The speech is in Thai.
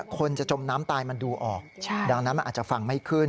คนจะจมน้ำตายมันดูออกดังนั้นมันอาจจะฟังไม่ขึ้น